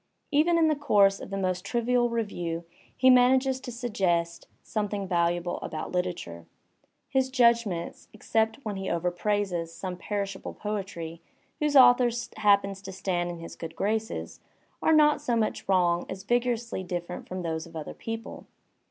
Even in the course of the most trivial review he manages to suggest something valuable about literature. His judgments, except when he overpraises some perishable Digitized by Google 148 THE SPIRIT OP AMERICAN LITERATURE poetry whose author happens to stand in his good graces, are not so much wrong as vigorously different from those of other people.